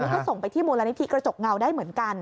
แล้วก็ส่งไปที่มูลนิธิกระจกเงาได้เหมือนกัน